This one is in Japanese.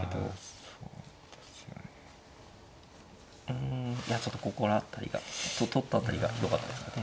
うんいやちょっとここら辺りが取った辺りがひどかったですかね。